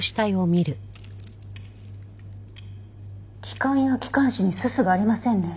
気管や気管支にすすがありませんね。